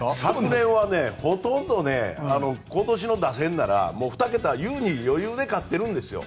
３年はほとんど今年の打線なら、２桁は優に余裕で勝ってるんですよ。